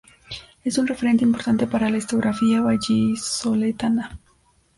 Es un referente importante para la historiografía vallisoletana.